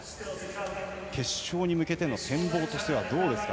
決勝に向けての展望はどうですか。